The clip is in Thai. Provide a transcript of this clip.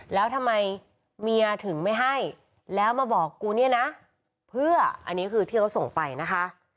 แล้วทำไมเมียถึงไม่ให้แล้วมาบอกกูเนี่ยนะเพื่ออันนี้คือที่เขาส่งไปนะคะ